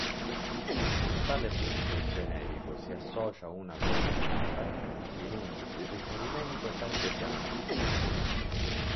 A tale punto generico si associa una coordinata in un riferimento cartesiano.